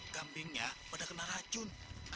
kambingnya pada kena racun